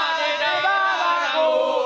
garuda di dadaku